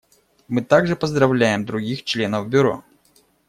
Мы также поздравляем других членов Бюро.